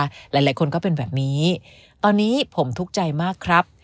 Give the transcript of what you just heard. หลายคนก็เป็นแบบนี้ตอนนี้ผมทุกข์ใจมากครับ